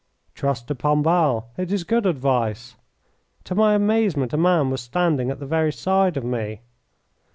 "Trust de Pombal. It is good advice." To my amazement a man was standing at the very side of me.